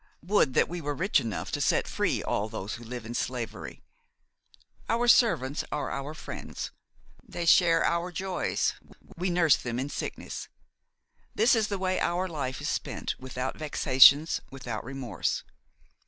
Would that we were rich enough to set free all those who live in slavery! Our servants are our friends; they share our joys, we nurse them in sickness. This is the way our life is spent, without vexations, without remorse.